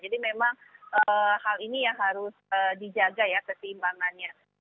jadi memang hal ini yang harus dijaga ya keseimbangannya